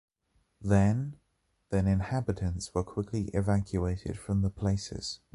Then, then inhabitants were quickly evacuated from the places.